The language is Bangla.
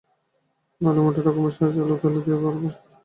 ময়লা মোটা রকমের সাজ, আলুথালু রকমে ব্যবহার করাটাই আমার অভ্যাস।